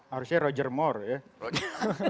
harusnya roger moore ya